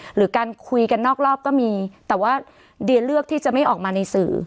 หรือการคุยกันนอกรอบก็มีแต่ว่าเดียเลือกที่จะไม่ออกมาในสื่อ